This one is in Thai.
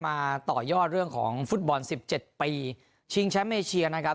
มาต่อยอดเรื่องของฟุตบอล๑๗ปีชิงแชมเปชียนะครับ